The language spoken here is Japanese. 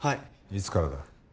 いつからだ？